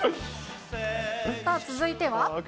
さあ、続いては。